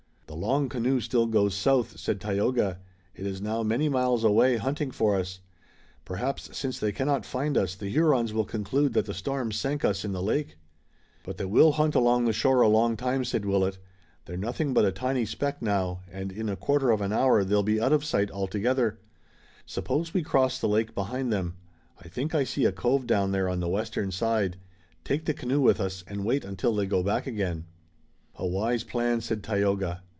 "The long canoe still goes south," said Tayoga. "It is now many miles away, hunting for us. Perhaps since they cannot find us, the Hurons will conclude that the storm sank us in the lake!" "But they will hunt along the shore a long time," said Willet. "They're nothing but a tiny speck now, and in a quarter of an hour they'll be out of sight altogether. Suppose we cross the lake behind them I think I see a cove down there on the western side take the canoe with us and wait until they go back again." "A wise plan," said Tayoga.